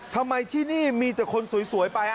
ทำไมที่นี่มีแต่คนสวยไป